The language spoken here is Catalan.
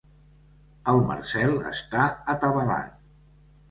El Marcel està atabalat.